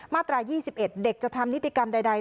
ตราย๒๑เด็กจะทำนิติกรรมใด